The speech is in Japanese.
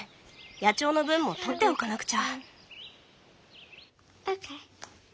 野鳥の分も取っておかなくちゃ。